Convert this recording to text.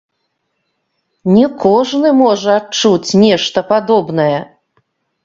Не кожны можа адчуць нешта падобнае.